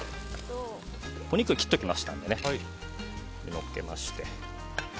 お肉を切っておきましたのでのっけまして。